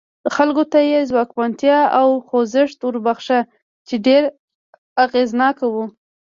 خلکو ته یې ځواکمنتیا او خوځښت وروباښه چې ډېر اغېزناک و.